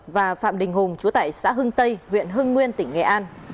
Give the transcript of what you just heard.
và phạm đình hùng chúa tải xã hưng tây huyện hưng nguyên tỉnh nghệ an